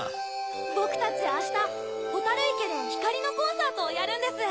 ぼくたちあしたほたるいけでひかりのコンサートをやるんです。